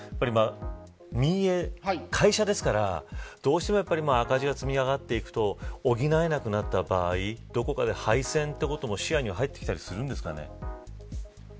民営、会社ですからどうしても赤字が積み上がっていくと補えなくなった場合どこかで廃線というのも視野に入ってくるんですかね。